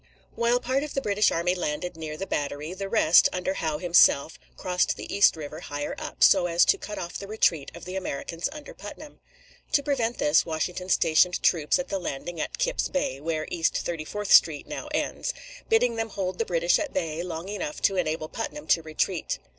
While part of the British army landed near the Battery, the rest, under Howe himself, crossed the East River higher up, so as to cut off the retreat of the Americans under Putnam. To prevent this, Washington stationed troops at the landing at Kips Bay (where East Thirty fourth Street now ends), bidding them hold the British at bay long enough to enable Putnam to retreat.